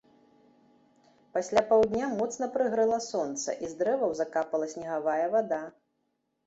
Пасля паўдня моцна прыгрэла сонца, і з дрэваў закапала снегавая вада.